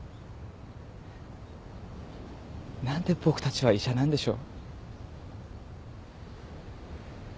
何で僕たちは医者なんでしょう？